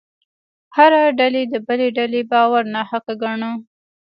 هره ډلې د بلې ډلې باور ناحقه ګاڼه.